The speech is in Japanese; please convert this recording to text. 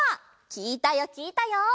きいたよきいたよ。